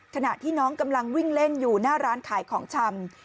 ขณะที่น้องกำลังวิ่งเล่นอยู่หน้าร้านขายของชำ